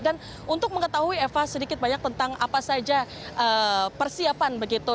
dan untuk mengetahui eva sedikit banyak tentang apa saja persiapan begitu